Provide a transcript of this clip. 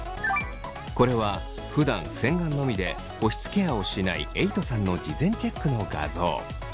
これはふだん洗顔のみで保湿ケアをしないえいとさんの事前チェックの画像。